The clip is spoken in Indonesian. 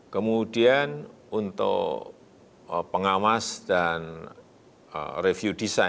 kemudian untuk pengawas dan review desain